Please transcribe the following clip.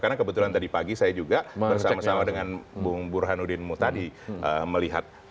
karena kebetulan tadi pagi saya juga bersama sama dengan bu burhanudinmu tadi melihat